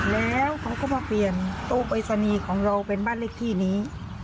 แล้วเขาก็มาเปลี่ยนโต๊ะไฟฟ้านาจอมเทียนของเราเป็นบ้านเลขที่นี้